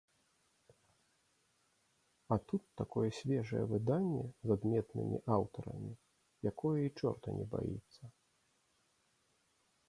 А тут такое свежае выданне з адметнымі аўтарамі, якое і чорта не баіцца.